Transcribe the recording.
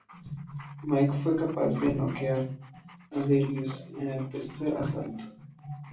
Mike fue capaz de noquear a Delius en el tercer asalto.